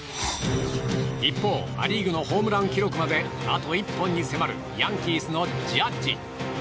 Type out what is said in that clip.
一方、ア・リーグのホームラン記録まであと１本に迫るヤンキースのジャッジ。